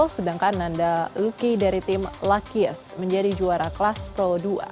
sedangkan nanda luki dari tim lachies menjadi juara kelas pro dua